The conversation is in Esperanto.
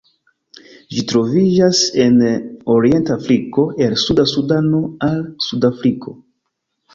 Ĝi troviĝas en orienta Afriko el suda Sudano al Sudafriko.